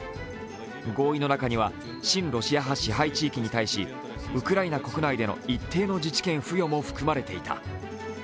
合意の中には親ロシア派支配地域に対しウクライナ国内での一定の自治権付与も含まれていた。